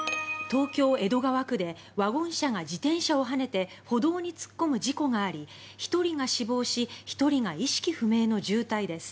東京・江戸川区でワゴン車が自転車をはねて歩道に突っ込む事故があり１人が死亡し１人が意識不明の重体です。